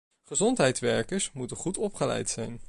Gezondheidswerkers moeten goed opgeleid zijn.